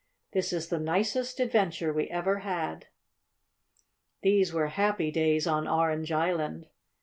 "This is the nicest adventure we ever had!" These were happy days on Orange Island.